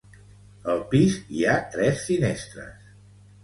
Al pis, hi ha tres finestres.